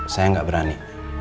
saya gak berani